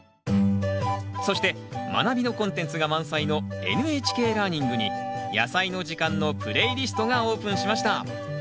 そして「まなび」のコンテンツが満載の「ＮＨＫラーニング」に「やさいの時間」のプレイリストがオープンしました。